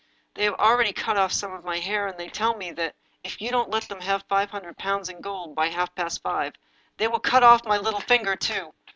They have already cut off some of my hair, and they tell me that, if you don't let them have five hundred pounds in gold by half past five, they will cut off my little finger too.